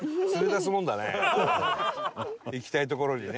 行きたい所にね。